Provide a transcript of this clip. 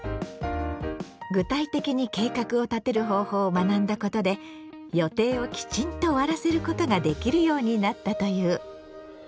具体的に計画を立てる方法を学んだことで予定をきちんと終わらせることができるようになったという。